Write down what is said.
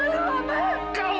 ini lebih malu pamit